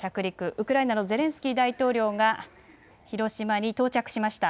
ウクライナのゼレンスキー大統領が広島に到着しました。